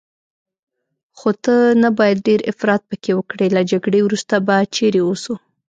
خو ته نه باید ډېر افراط پکې وکړې، له جګړې وروسته به چیرې اوسو؟